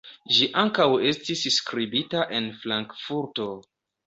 Ĝi ankaŭ estis skribita en Frankfurto.